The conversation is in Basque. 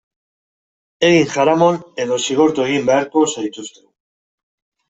Egin jaramon edo zigortu egin beharko zaituztegu.